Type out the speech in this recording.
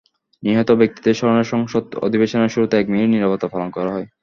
নিহত ব্যক্তিদের স্মরণে সংসদ অধিবেশনের শুরুতে এক মিনিট নীরবতা পালন করা হয়।